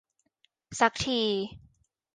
สักที